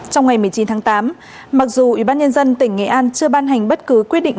trong ngày một mươi chín tháng tám mặc dù ủy ban nhân dân tỉnh nghệ an chưa ban hành bất cứ quyết định